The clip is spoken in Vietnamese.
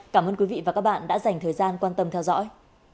cảm ơn quý vị và các bạn đã dành thời gian quan tâm theo dõi